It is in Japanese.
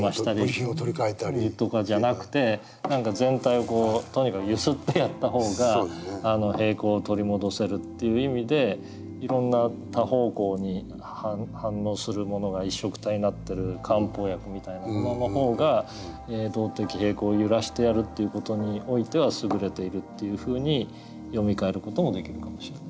部品を取り替えたり。とかじゃなくて何か全体をこうとにかく揺すってやった方が平衡を取り戻せるという意味でいろんな多方向に反応するものがいっしょくたになってる漢方薬みたいなものの方が動的平衡を揺らしてやるっていう事においては優れているっていうふうに読み替える事もできるかもしれない。